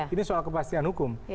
ini soal kepastian hukum